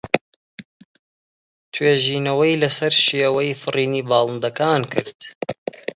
توێژینەوەی لەسەر شێوەی فڕینی باڵندەکان کرد.